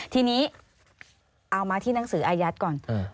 ทีนี้เอามาที่หนังสืออายัดก่อน